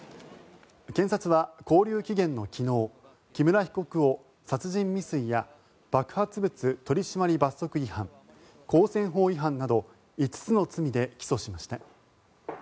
検察は勾留期限の昨日木村被告を殺人未遂や爆発物取締罰則違反公選法違反など５つの罪で起訴しました。